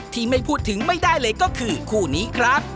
ที่ไม่พูดถึงไม่ได้เลยก็คือคู่นี้ครับ